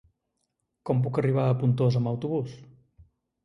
Com puc arribar a Pontós amb autobús?